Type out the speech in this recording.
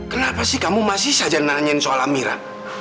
kenapa sih kamu masih saja nanyain soal amira